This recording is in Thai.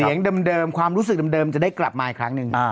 เสียงเดิมความรู้สึกเดิมจะได้กลับมาอีกครั้งหนึ่ง